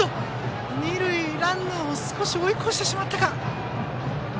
二塁ランナーを追い越してしまったか。